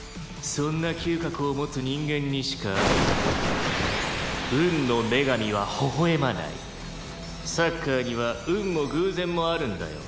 「そんな嗅覚を持つ人間にしか運の女神はほほ笑まない」「サッカーには運も偶然もあるんだよ」